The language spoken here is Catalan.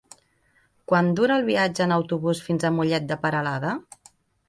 Quant dura el viatge en autobús fins a Mollet de Peralada?